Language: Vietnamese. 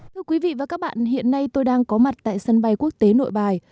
thưa quý vị và các bạn hiện nay tôi đang có mặt tại sân bay quốc tế nội bài